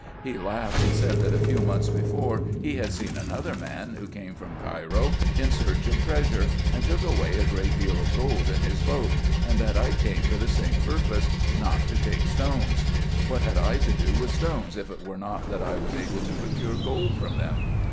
He laughed, and said that a few months before he had seen another man, who came from Cairo in search of treasure, and took away a great deal of gold in his boat ; and that I came for the same purpose, not to take stones : what had I to do with stones, if it were not that I was able to procure gold from them